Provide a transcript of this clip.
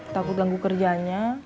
takut langgu kerjanya